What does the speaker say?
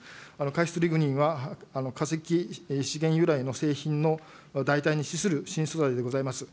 改質リグニンは、化石資源由来の製品の代替に資する新素材でございます。